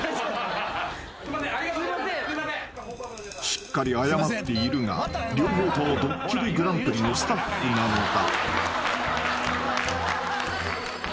［しっかり謝っているが両方とも『ドッキリＧＰ』のスタッフなのだ］